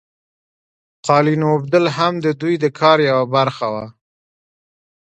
قالین اوبدل هم د دوی د کار یوه برخه وه.